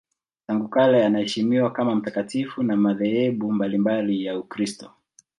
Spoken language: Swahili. Tangu kale anaheshimiwa kama mtakatifu na madhehebu mbalimbali ya Ukristo.